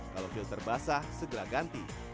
kalau filter basah segera ganti